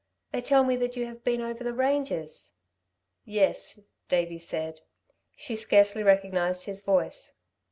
They tell me that you have been over the ranges." "Yes," Davey said. She scarcely recognised his voice.